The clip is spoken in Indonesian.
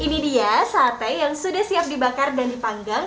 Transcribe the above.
ini dia sate yang sudah siap dibakar dan dipanggang